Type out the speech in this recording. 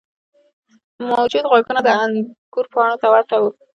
موجود غوږونه د انګور پاڼو ته ورته وو.